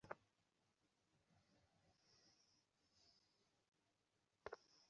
খুড়িমার কান্না দেখে এমন কষ্ট হল মা!